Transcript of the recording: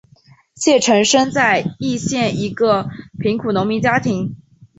谢臣生在易县一个贫苦农民家庭。